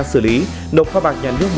xử lý nộp kho bạc nhà nước